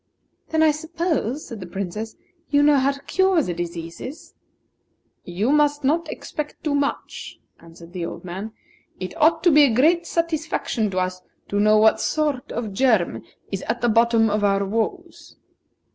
"Then I suppose," said the Princess, "you know how to cure the diseases?" "You must not expect too much," answered the old man. "It ought to be a great satisfaction to us to know what sort of germ is at the bottom of our woes."